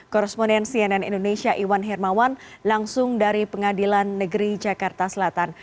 koresponden cnn indonesia iwan hermawan langsung dari pengadilan negeri jakarta selatan